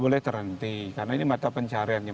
boleh terhenti karena ini mata pencariannya